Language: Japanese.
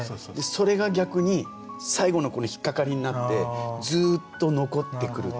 それが逆に最後のこの引っ掛かりになってずっと残ってくるっていう。